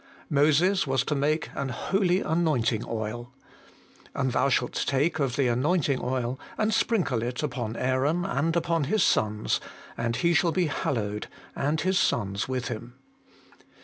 Moses was to make an holy anointing oil: 'And thou shalt take of the anointing oil, and sprinkle it upon Aaron and upon his sons, and he shall be hallowed, and his sons with him.'